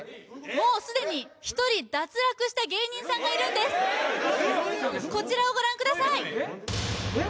もうすでに１人脱落した芸人さんがいるんですこちらをご覧ください・ええっ？